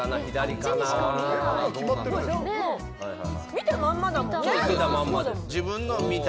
見たまんまだもんね。